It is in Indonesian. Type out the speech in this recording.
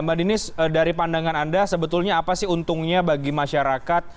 mbak dinis dari pandangan anda sebetulnya apa sih untungnya bagi masyarakat